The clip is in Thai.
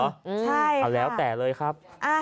ใช่ค่ะเอาแล้วแต่เลยครับ